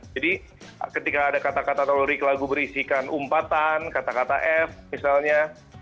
jadi ketika ada kata kata lirik lagu berisikan umpatan kata kata f misalnya